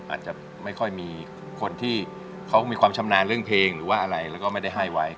อาจจะไม่ค่อยมีคนที่เขามีความชำนาญเรื่องเพลงหรือว่าอะไรแล้วก็ไม่ได้ให้ไว้